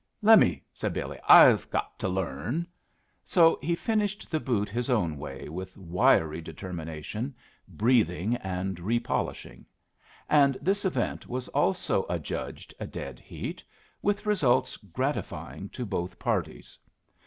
"Lemme," said Billy. "I've got to learn." So he finished the boot his own way with wiry determination, breathing and repolishing; and this event was also adjudged a dead heat, with results gratifying to both parties.